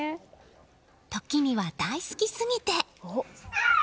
時には大好きすぎて。